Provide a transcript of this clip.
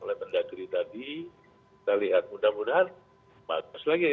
kalau pendagri tadi kita lihat mudah mudahan bagus lagi